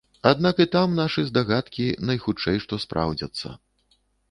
Аднак і там нашы здагадкі, найхутчэй што, спраўдзяцца.